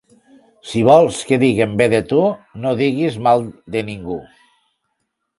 Si vols que diguin bé de tu, no diguis mal de ningú.